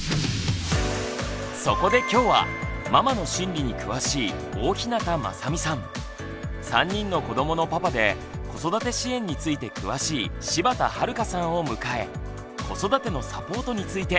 そこで今日はママの心理に詳しい大日向雅美さん３人の子どものパパで子育て支援について詳しい柴田悠さんを迎え子育てのサポートについて考えます。